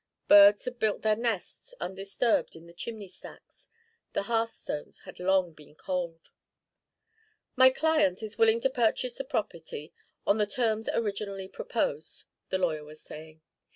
Birds had built their nests undisturbed about the chimney stacks. The hearthstones had long been cold. 'My client is willing to purchase the property on the terms originally proposed,' the lawyer was saying.